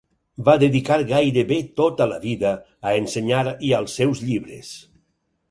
Va dedicar gairebé tota la vida a ensenyar i als seus llibres.